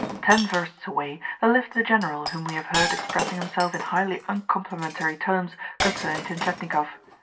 Ten versts away there lived the general whom we have heard expressing himself in highly uncomplimentary terms concerning Tientietnikov.